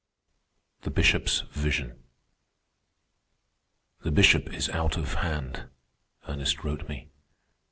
THE BISHOP'S VISION "The Bishop is out of hand," Ernest wrote me.